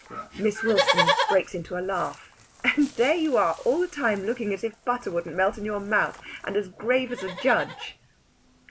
Miss Wilson breaks into a laugh. "And there you are all the time looking as if butter wouldn't melt in your mouth, and as grave as a judge."